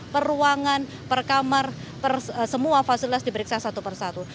per ruangan per kamar semua fasilitas diperiksa satu per satu